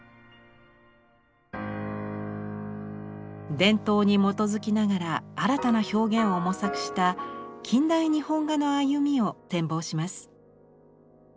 伝統に基づきながら新たな表現を模索した近代日本画の歩みを展望します。